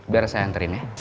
biar saya nganterin ya